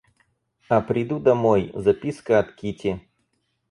А приду домой, записка от Кити.